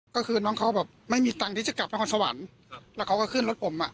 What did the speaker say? ก็คือน้องเขาแบบไม่มีตังค์ที่จะกลับนครสวรรค์แล้วเขาก็ขึ้นรถผมอ่ะ